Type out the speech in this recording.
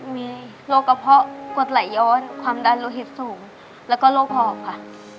มีโรคกระเพาะกดไหลย้อนความดันโลหิตสูงแล้วก็โรคหอบค่ะ